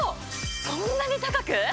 そんなに高く？